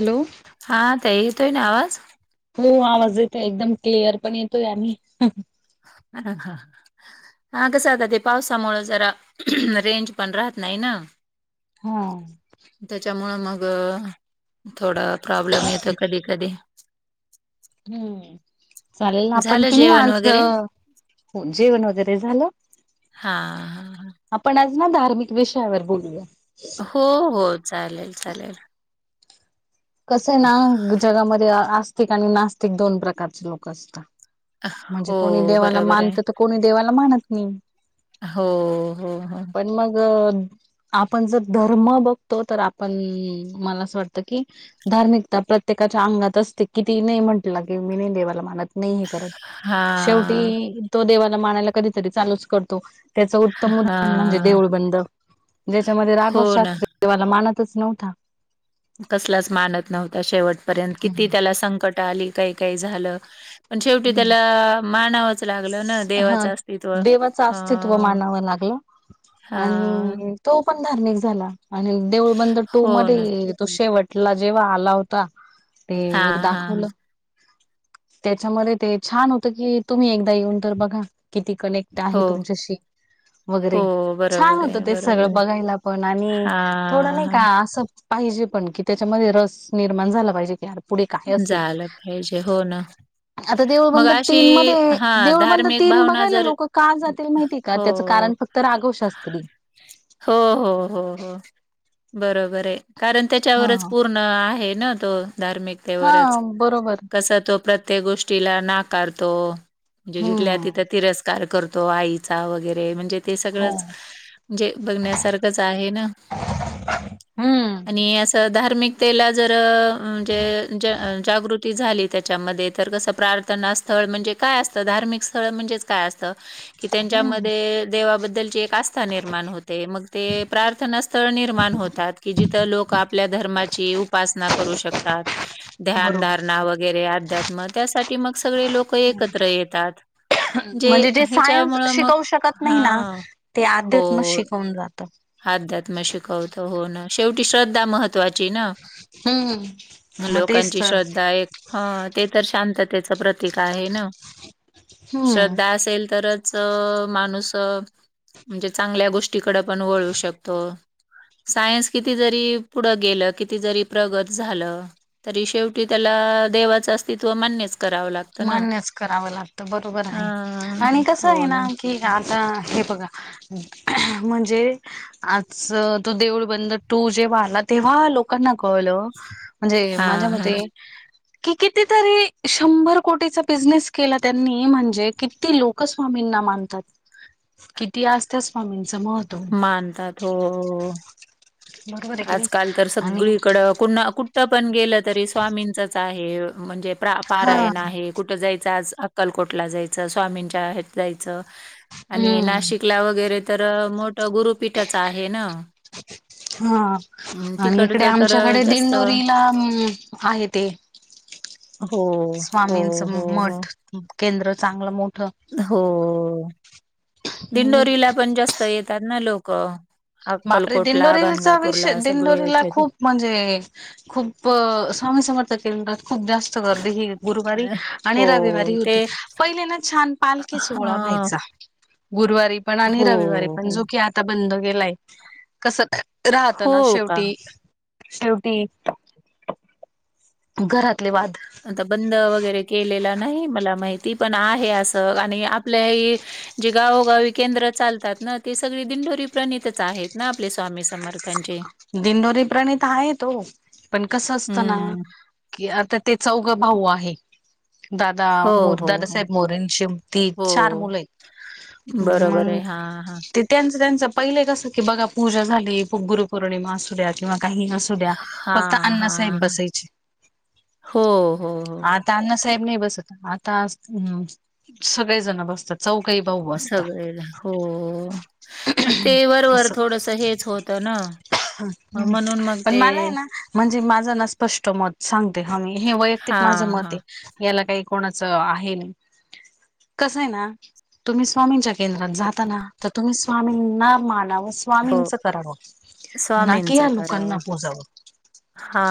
Hello! हां ताई येतोय ना आवाज? हो आवाज येतय एकदम क्लिअर पण येतोय आणि ह आणण हा हा कसं आता ते पावसामुळ जरा रेंज पण राहत नाही ना. हा. त्याच्यामुळं मग थोडं प्रॉब्लेम येतं कधी-कधी. हम्म. चालेल ना, आपण झालं कि नाही जेवण आज? वगैरे जेवण वगैरे झालं? हा. आपण आज ना धार्मिक विषयावर बोलू या. हो हो चालेल चालेल कसं आहे ना? जगामध्ये आस्तिक आणि नास्तिक दोन प्रकारचे लोक असतात. म्हणजे हो कोणी देवाला बरोबर मानत आहे तर कोणी देवाला मानत नाही. हो हो हो पण मग? आपण जर धर्म बघतो तर आपण, मला असं वाटतं की धार्मिकता प्रत्येकाच्या अंगात असते कितीही नाही म्हटलं की मी नाही देवाला मानत नाही हे करत हा शेवटी, तो देवाला मानायला कधीतरी चालूच करतो. त्याचं उत्तम हा उदाहरण म्हणजे 'देऊळबंद' ज्याच्यामध्ये हो राघव ना शास्त्री देवाला मानतच नव्हता. कसलाच मानत नव्हता शेवटपर्यंत, किती त्याला संकट आली. काही, काही झालं. पण शेवटी त्याला मानाव च लागलं ना हा देवाचं अस्तित्व. देवाचं हा अस्तित्व मानावं लागलं. हा. आणि तो पण धार्मिक झाला आणि देऊळबंद टू हो मध्ये ना. ही तो शेवट टला जेव्हा आला होता ते हां, हां. दाखवलं. त्याच्यामध्ये ते छान होत की, तुम्ही एकदा येऊन तर बघा. किती कनेक्ट हो, आहे तुमच्याशी हो. वगैरे छान बरोबर होतं आहे, ते सगळं बरोबर आहे. बघायला पण आणि थोडं हां, नाही का हां. असंच पाहिजे पण की, त्याच्यामध्ये रस निर्माण झाला पाहिजे की पुढे काही असेल, झालं पाहिजे. हो ना. आता मग देऊळबंद अशी तीन मध्ये? हां, देऊळबंद धार्मिक तीन भावना बघायला जर लोक का जातील माहितीय का? हो. त्याचं कारण फक्त 'राघव शास्त्री'. हो हो हो बरोबर आहे, कारण हा त्याच्यावरच पूर्ण आहे ना तो हा धार्मिकतेवरच, बरोबर कसा तो प्रत्येक गोष्टीला नाकारतो म्हणजे जिथल्या हम्म तिथ तिरस कार करतो आईचा वगैरे म्हणजे ते हो सगळंच म्हणजे बघण्यासारखंच आहे ना? हम्म. तर धार्मिकतेला जर अ म्हणजे? जागृती झाली त्याच्यामध्ये, तर कसं प्रार्थना स्थळ म्हणजे काय असतं? धार्मिक स्थळ म्हणजेच काय असत? हम्म त्यांच्यामध्ये देवा बद्दलची आस्था निर्माण होते. मग ते प्रारथ ना स्थळ निर्माण होतात की जिथं लोक आपल्या धर्माची उपासना करू शकतात. बरोबर ध्यानधारणा वगैरे अध्यात्म त्यासाठी मग सगळे लोक एकत्र येतात. म्हणजे जे सायन्स ह्याच्यामुळं मग शिकवू शकत नाही ना? हां. ते अध्यात्म हो. शिकवून जात. अध्यात्म शिकवतं हो ना, शेवटी श्रद्धा महत्त्वाची ना? हम्म मग तेच लोकांची तर श्रद्धा एक ह, ते तर शांततेच प्रतीक आहे ना! हम्म श्रद्धा असेल तरच च अ माणूस अ म्हणजे चांगल्या गोष्टीकड पण वळू शकतो. सायन्स किती जरी पुढं गेलं, किती जरी प्रगत झालं तरी शेवटी त्याला देवाच अस्तित्व मान्यच करावं लागत. मान्यच करावं लागतं बरोबर आहे, हां. आणि कसं आहे हो ना? ठीक आता हे बघा, म्हणजे आज तो देऊळबंद टू जेव्हा आला तेव्हा लो कांना कळलं म्हणजे माझ्या हां हां. मते की किती तरी शंभर कोटीचा बिझनेस केला त्यांनी म्हणजे किती लोकस्वामींना मानतात. की ती आसत स्वामींचं महत्त्व मानतात. हो हो हो. आजकाल तर सगळीकड कु -कुठ पण गेलं तरी स्वामींचच आहे. म्हणजे प्रा- हा पारायण आहे. कुठ जायच आज अक्कलकोटला जायचं. स्वामींच्या हे जायचं आणि हम्म नाशिक ला वगैरे तर मोठ गुरुपीठच आहे ना. हा. अं, आणि इकडे तिकडचं तर अ, आमच्याकडे जास्त हो, दिंडोरीला म आहे ते. हो, स्वामींचं हो, हो. मठ केंद्र चांगलं मोठ हो हम्म दिंडोरीला पण जास्त येतात ना लोक. बापरे दिंडोरीचा विषय सगळे दिंडोरीला येतात. खूप म्हणजे खूप अ स्वामी समर्थ केंद्रात खूप जास्त गर्दी ही गुरुवारी अ, आणि रविवारी हो. ते होते. पहिले ना छान पालखी सोहळा हां. व्हायचा. गुरुवारी पण आणि हो, रविवारी पण हो. जो की आता बंद केेलाय. कस राहत ना हो का? शेवटी- शेवटी घरातले वाद आता बंद वगैरे केलेला नाही मला माहिती पण आहे असं आणि आपल्या हे जे गावोगावी केंद्र चालतात ना ते सगळे दिंडोरी प्रणितच आहेत ना आपले स्वामी समर्थ. दिंडोरी प्रणीत आहे ओ पण कसं असतं ना हं. कि आता ते चौघं भाऊ आहे. दादा हो, मोर हो, हो. दादासाहेब मोरेंची तीन, चार, हो. मुलं आहेत. बरोबर मंग आहे. हां, हां. ते त्यांच त्यांच पहिले कसं की बघा पूजा झाली गुरुपौर्णिमा असूद्या किंवा काही असू द्या फक्त हां, अण्णा साहेब हां, हां. बसायचे. हो, हो, हो. आ आता अण्णा साहेब नाही बसत आता म सगळे जण बसतात. चौघ ही भाऊ. बसतात सगळे हो मग ते वरवर थोडस हेच होतं ना. हा, मग हम् म्हणून मग पण ते मला आहे ना म्हणजे माझं ना स्पष्ट मत सांगते. ह म हे वैयक्तिक माझ हां, मत हां. आहे. याला काही कोणाचं आहे नाही. कसं आहे ना तुम्ही स्वामींच्या केंद्रात जाताना, तर तुम्ही स्वामींना मानाव च हो. स्वामींच करा, वं ना कि या लोकांना पूजाव. हा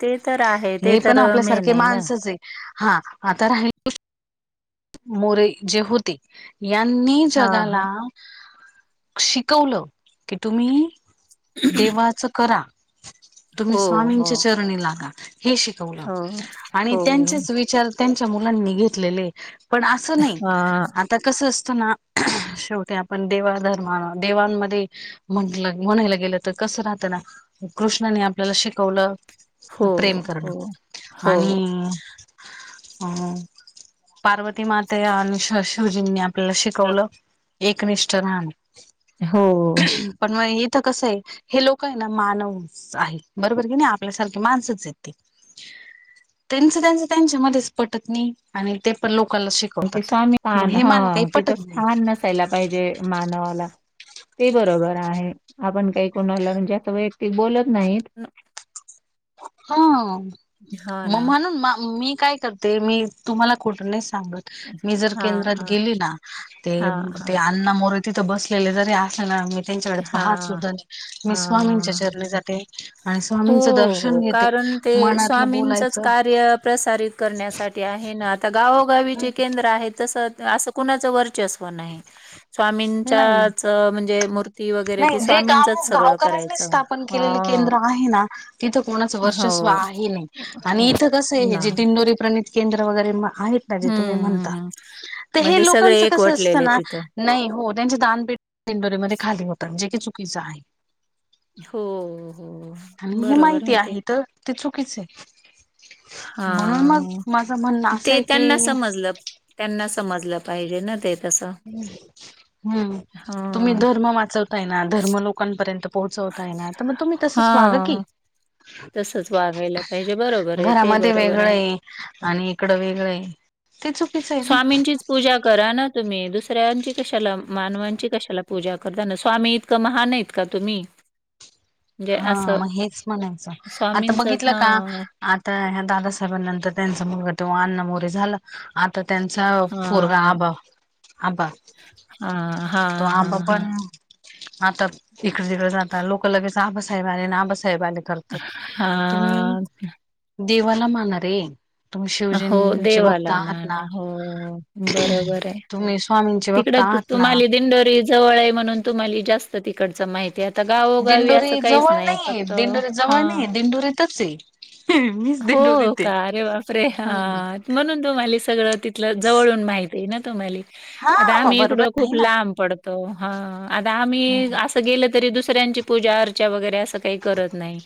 ते तर आहे, ते हे पण तर मेन आपल्यासारखे आहे ना. माणसच आहे. हा, आता राहील मोरे जे होते. यांनी हां, जगाला हां. शिकवलं, की तुम्ही देवाचं करा. हो तुम्ही हो स्वामींच्या चरणी लागा. हे शिक हो आणि हो त्यांचेच विचार त्यांच्या मुलांनी घेतलेले, पण असं नाही हा आता कसं असत ना, शेवटी आपण देवाधर्मा देवांमध्ये म्हटलं म्हणायला गेलं तर कसं राहत ना, कृष्णानी आपल्याला शिकवलं. हो प्रेम हो करणं हो आणि अ पार्वती माता आणि श आपल्याला शिकवलं एकनिष्ठ राहान. हो.... पण मग इथं कसं आहे, हे लोकं आहे ना मानव च आहे बरोबर की नाही आपल्यासारखी माणसंच आहेत ते त्यांच- त्यांच त्यांच्या मध्येच पटत नाही आणि ते पण लोकांना शिक स्वामी पाहा नं ह तिथं नाही स्थान नसायला पाहिजे मानवाला ते बरोबर आहे आपण काही कोणाला म्हणजे असं वैयक्तिक बोलत नाहीत. हा हा मग ना म्हणून म मी काय करते, ते मी तुम्हांला खोटं नाही सांगत. मी जर हा केंद्रात हा गेली ना, ते हा ते हा अण्णा मोरे तिथं बसलेले जरी असले ना मी त्यांच्याकडे हा पाहत सुद्धा नाही मी स्वामींच्या हा चरणी जाते आणि हो स्वामींच दर्श हो कारण ते स्वामींचच कार्य प्रसारित करण्यासाठी ते आहे ना आता गावोगावी जे केंद्र आहे तसं असं कुणाचं वर्चस् व नाही नाही स्वामींच्याच म्हणजे मूर् नाही जे गाव गावकऱ्यांनी स्थापन केलेले हा केंद्र आहे ना, तिथं कोणाचं वर्चस्व हो आहे नाही आणि हो इथं कसं आहे ना जे दिंडोरी प्रणित केंद्र वगैरे आहेत ना, जे तुम्हीं म्हणता, हम्म हम्म तर हे म्हणजे सगळे लोकांच कस असतं एकवटलेले ना? तिथं नाही हो त्यांचे दान पेटी दिंडोरीमध्ये खाली होतात जे की चुकीचं आहे. हो, हो.. आणि हे बरोबर माहिती ते आहे तर ते चुकीचं आहे. हा म्हणून मग माझं म्हणणं असं ते आहे त्यांना की समजलं त्यांना समजलं पाहिजे ना ते. तसं हूं... तुम्ही हा धर्म वाचवताय ना धर्म लोकांपर्यंत पोहोचव ताय ना तर मग तुम्ही तसंच तसेच वागा हा की, तसंच वागायला पाहिजे. बरोबर आहे, ते घरामध्ये बरोबर वेगळं आहे. ये आणि इकडं वेगळंयं. ते चुकीच आहे. ना स्वामींचीच पूजा करा ना तुम्हीं, दुसऱ्यांची कशाला मानवांची कशाला पूजा करता ना? स्वामी इतकं महान आहेत का तुम्हीं? हा मग हेच म्हणायचं, आता स्वामींचंच बघितलं का? हां, आता ह्या दादासाहेबांनंतर त्यांचा मुलगा तेव्हा अण्णा मोरे झालं, आता त्यांचा पोरगा हां, आबा. आबा हां, तो हां, आबा हां, हां, पण, आता इकडे- तिकडे जात लोक लगेच आबासाहेब आले ना, आबासाहेब आले. करतात तुम्ही हां. देवाला माना रे... तुम्ही हो शिवजींचे भक्त देवाला आहात माना, हो बरोबर आहे. तुम्हीं स्वामींची तिकडं तुम्हांले दिंडोरी जवळ आहे म्हणून तुम्हांली जास्त त तिकडचं माहितीय आता गावोगावी गावी असं दिंडोरी काहीच जवळ नाही नाहीये फक्त दिंडोरी हा जवळ नाहीये दिंडोरीतच आहे मीच हो दिंडोरीत आहे. का अरे बापरे! हा. म्हणून तुम्हांले सगळं तिथलं जवळून माहती आहे ना तुम्हांले. हा आता मग आम्हीं बरोबर इकडून खूप आहे ना लांब पड तो हा आता आम्हीं असं गेलं तरी दुसऱ्यांची पूजा- अर्चा वगैरे असेल तर काही करत नाही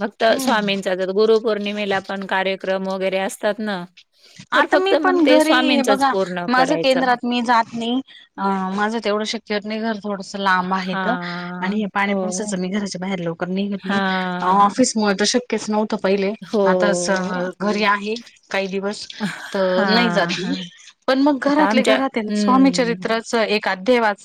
फक्त हम्म स्वामीचं आता गुरू पौर्णिमेला पण कार्यक्रम वगैरे असतात ना, [unintelligible] तर आता मी फक्त मग पण ते घरी हे स्वामींचंच बघा पूर्ण माझं करायचं. केंद्रात मी जात नाही अ माझं तेवढं शक घर थोडंसं लांब आहे हां, आणि हे पाणी हो. पुसायचं मी घराच्या बाहेर लवकर नाही येत हां, ऑफिस मला तर शक्यच नव्हतं पहिले आता हो. घरी आहे काही दिवस तर नाही जात हां, हां. पण मग आता घरातले आमच्या घरात हं. स्वामीचरित्र असं एक अध्याय वाच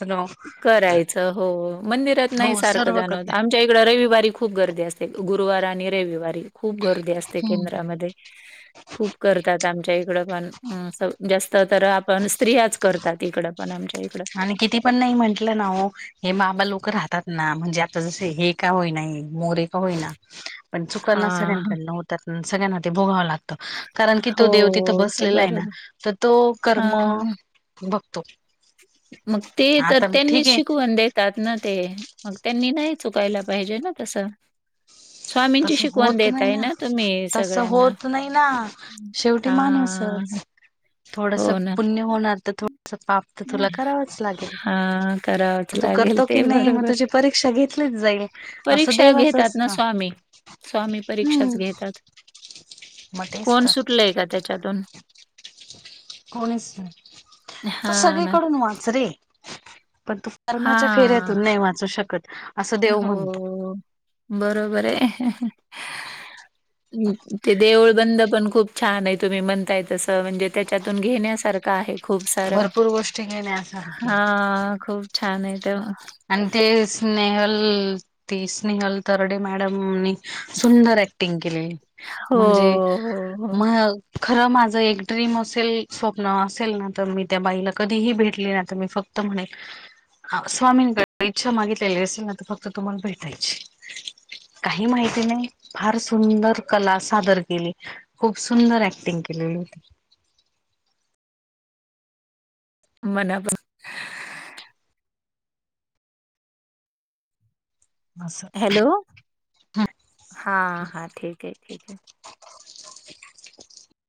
करायचं हो मंदिरात नाही हो सारखं सर्व जाणं होत करते आ आमच्या इकडे रविवारी खूप गर्दी असते गुरुवार आणि रविवारी खूप गर्दी असते हम्म केंद्रामध्ये [unintelligible] खूप करतात आमच्या इकडं पण जास्त तर आपण स्त्रियाच करतात इकडं पण आमच्यात आणि किती पण नाही म्हंटलं ना हे बाबा लोकं राहतात ना म्हणजे आ जे हे का होई नाही मोरे का होईना पण चुकाना हां, हां. सगळ्यांकडनं होत त्या सगळ्यांना ते भोगावं लागतं कारण कि तो देव तिथं हो, ते बसलेला आहे ना बरोबर. तर तो कर्म हां. बघतो मग ते तर आता त्यांनी ठीक आहे शिकवून देत तात ना ते मग त्यांनी नाही चुकायला पाहिजे ना तसं स्वामींची तसं शिकवण होत नाही देताय ना तुम्ही तसं सगळ्यांना. होत नाही ना शेवटी हां, माणूसच थोडंसं हो ना. पुण्य होणार तर थोडंसं पाप तर तुला करावच लागेल हां, करावंच मग तू लागेल करतो की ते नाही मग बरोबर आहे. तुझी परीक्षा घेतलीच जाईल असं परीक्षा देवाचं घेतात ना असतं स्वामी. स्वामी परीक्षाच हम्म घेतात मग तेच कोण तर सुटलंय का त्याच्यातून कोणीच नाही तू हां ना. सगळीकडून वाच रे पण तू कर्माच्या हां. फेऱ्यातून नाही वाचू शकत असं देव म्हणतो हो बरोबर आहे हम् ते देऊळबंद पण खूप छान आहे तुम्ही म्हणताय तसं म्हणजे त्याच्यातून घेण्यासारखं आहे खूप सारं भरपूर गोष्टी घेण्यासारखे हा खूप छान आहे ते आणि ते स्नेहल ती स्नेहल तरडी मॅडमनी सुंदर ऍक्टिंग केली हो, म्हणजे हो, हो. म्ह खरं माझं एक ड्रीम असेल स्वप्न असेल ना तर मी त्या बाईला कधीही भेटली ना तर मी फक्त तर म्हणेन स्वामी इच्छा मागितलेली असेल ना तर फक्त तुम्हाला भेटायची काही माहिती नाही फार सुंदर कला सादर केली खूप सुंदर ॲक्टिंग केलेली होती मलापण असं हॅलो हां हा ठीक आहे ठीक आहे